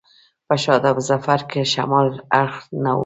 په شاداب ظفر شمال اړخ ته و.